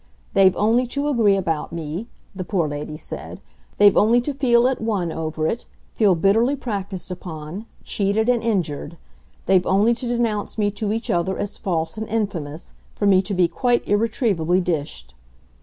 They've only to agree about me," the poor lady said; "they've only to feel at one over it, feel bitterly practised upon, cheated and injured; they've only to denounce me to each other as false and infamous, for me to be quite irretrievably dished.